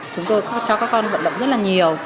chúng tôi cho các con vận động rất là nhiều